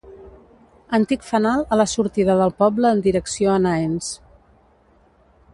Antic fanal a la sortida del poble en direcció a Naens.